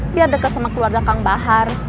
biar deket sama keluarga kang bahar